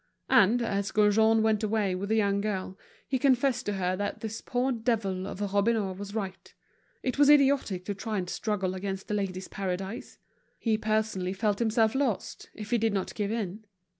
And, as Gaujean went away with the young girl, he confessed to her that this poor devil of a Robineau was right. It was idiotic to try and struggle against The Ladies' Paradise. He personally felt himself lost, if he did not give in.